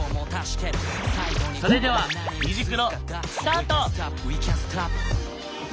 それでは「虹クロ」スタート！